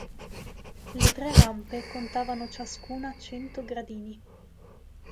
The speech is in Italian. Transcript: Le tre rampe contavano ciascuna cento gradini.